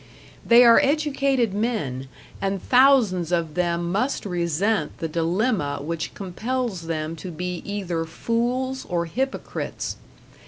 They are educated men, and thousands of them must resent the dilemma which compels them to be either fools or hypocrites.